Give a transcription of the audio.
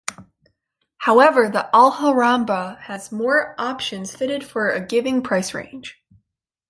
However, the Alhambra has more options fitted for a given price range.